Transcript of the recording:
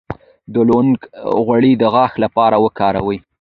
د لونګ غوړي د غاښ لپاره وکاروئ